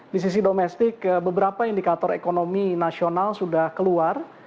di sisi domestik beberapa indikator ekonomi nasional sudah keluar